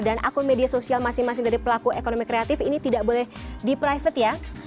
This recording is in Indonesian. dan akun media sosial masing masing dari pelaku ekonomi kreatif ini tidak boleh di private ya